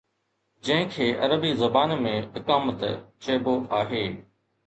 جنهن کي عربي زبان ۾ اقامت چئبو آهي.